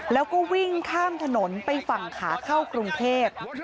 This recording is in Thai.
แล้วก็วิ่งข้ามถนนไปฝั่งขาเข้ากรุงเทพ